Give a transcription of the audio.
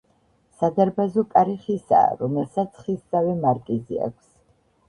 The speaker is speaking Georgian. სადარბაზო კარი ხისაა, რომელსაც ხისსავე მარკიზი აქვს.